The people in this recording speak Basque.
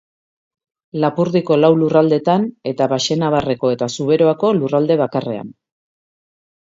Lapurdiko lau lurraldetan, eta Baxenabarreko eta Zuberoako lurralde bakarrean.